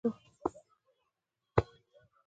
هغه په اصلاح کې ډېر تکړه و، حمزه بابا پرې حساب کاوه.